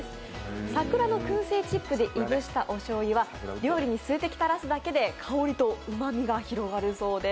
桜のくん製チップで燻したおしょうゆは、料理に数滴垂らすだけで香りとうまみが広がるそうです。